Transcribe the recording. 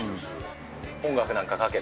音楽なんかかけて。